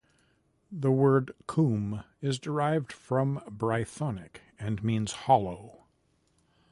The word "coombe" is derived from Brythonic, and means "hollow".